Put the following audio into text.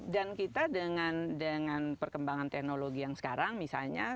dan kita dengan perkembangan teknologi yang sekarang misalnya